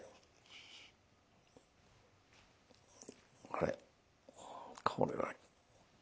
あれこれは。